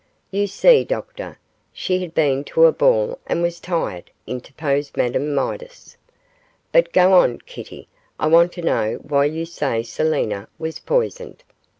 'You see, doctor, she had been to a ball and was tired,' interposed Madame Midas; 'but go on, Kitty, I want to know why you say Selina was poisoned.